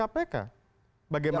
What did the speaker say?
ya menterinya aja guys